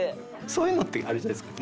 そういうのってあれじゃないですか？